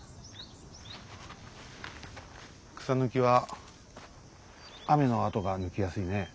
草抜きは雨のあとが抜きやすいね。